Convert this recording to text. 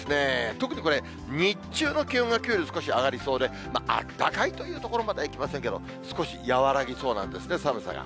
特にこれ、日中の気温がきょうより少し上がりそうで、あったかいというところまではいきませんけど、少し和らぎそうなんですね、寒さが。